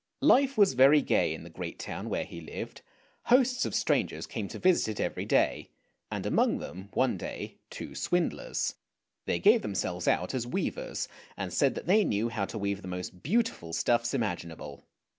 Life was very gay in the great town where he lived; hosts of strangers came to visit it every day, and among them one day two swindlers. They gave themselves out as weavers, and said that they knew how to weave the most beautiful stuffs imaginable.